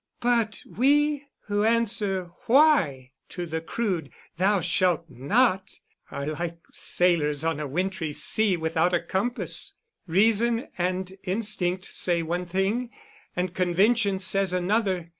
But we who answer Why to the crude Thou Shalt Not, are like sailors on a wintry sea without a compass. Reason and instinct say one thing, and convention says another.